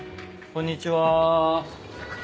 こんにちは。